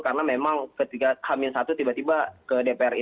karena memang ketika h satu tiba tiba ke dpr ri